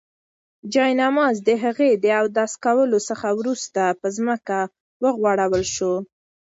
جاینماز د هغې د اودس کولو څخه وروسته په ځمکه وغوړول شو.